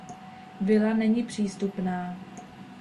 Vila není přístupná.